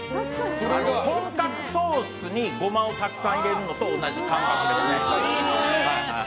とんかつソースにゴマをたくさん入れるのと同じ感覚です。